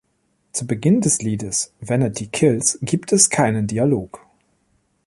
Zu Beginn des Liedes "Vanity Kills" gibt es keinen Dialog.